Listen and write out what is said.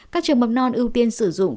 các trường mầm non ưu tiên sử dụng